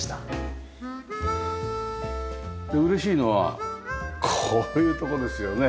嬉しいのはこういう所ですよね。